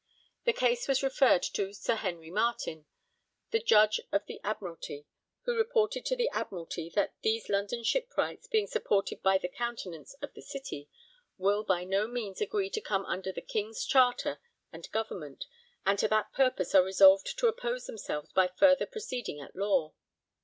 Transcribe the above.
The case was referred to Sir Henry Marten, the Judge of the Admiralty, who reported to the Admiralty that 'these London Shipwrights, being supported by the countenance of the City, will by no means agree to come under the King's Charter and government, and to that purpose are resolved to oppose themselves by further proceedings at law.'